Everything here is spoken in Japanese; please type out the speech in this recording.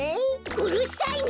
うるさいな！